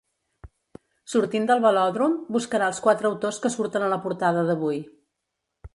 Sortint del Velòdrom, buscarà els quatre autors que surten a la portada d'avui.